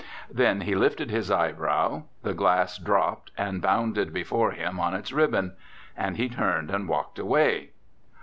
Then he lifted his eyebrow; the glass dropped and bounded before him on its ribbon. And he turned and walked away.